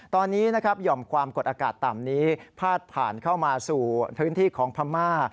ตอนนี้นะครับหย่อมความกดอากาศต่ำนี้พาดผ่านเข้ามาสู่พื้นที่ของพม่า